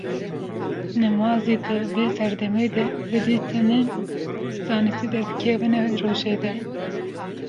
Nemaze di vê serdemê de, vedîtinên zanistî derdikevine rojevê